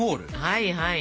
はいはい。